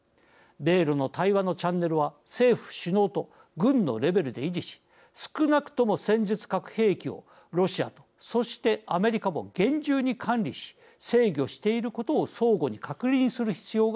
米ロの対話のチャンネルは政府首脳と軍のレベルで維持し少なくとも戦術核兵器をロシアとそしてアメリカも厳重に管理し制御していることを相互に確認する必要があります。